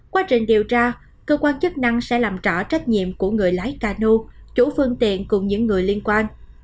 quá trình điều tra cơ quan chức năng sẽ làm trỏ trách nhiệm của người lái ca nô chủ phương tiện cùng những người liên quan